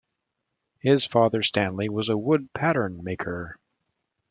His father, Stanley was a wood pattern maker.